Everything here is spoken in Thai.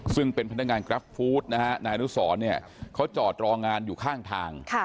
ซึ่งเป็นพนักงานกราฟฟู้ดนะฮะนายอนุสรเนี่ยเขาจอดรองานอยู่ข้างทาง